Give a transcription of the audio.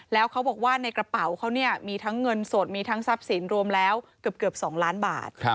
แล้วเขาบอกว่าในกระเป๋าเขาเนี่ยมีทั้งเงินสดมีทั้งทรัพย์สินรวมแล้วเกือบ๒ล้านบาท